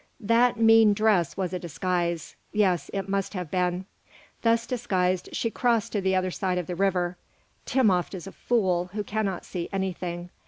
"That mean dress was a disguise. Yes, it must have been. Thus disguised, she crossed to the other side of the river. Timopht is a fool, who cannot see anything.